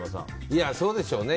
そうでしょうね。